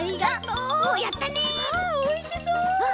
うわおいしそう！